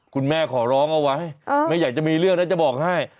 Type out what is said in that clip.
ขอร้องเอาไว้ไม่อยากจะมีเรื่องนะจะบอกให้